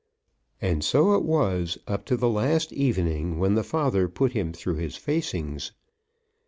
And so it was up to the last evening, when the father put him through his facings.